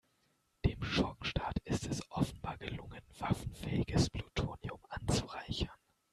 Dem Schurkenstaat ist es offenbar gelungen, waffenfähiges Plutonium anzureichern.